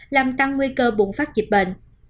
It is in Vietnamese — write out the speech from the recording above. làm tăng nguy cơ bụng phát dịch bệnh